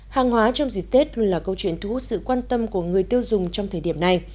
hàng hóa trong dịp tết luôn là câu chuyện thu hút sự quan tâm của người tiêu dùng trong thời điểm này